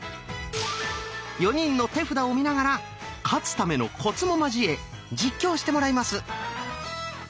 ４人の手札を見ながら「勝つためのコツ」も交え実況してもらいます。